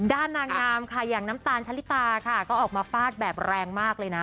นางงามค่ะอย่างน้ำตาลชะลิตาค่ะก็ออกมาฟาดแบบแรงมากเลยนะ